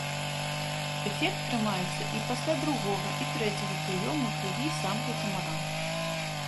Эфект трымаецца і пасля другога і трэцяга прыёму крыві самкай камара.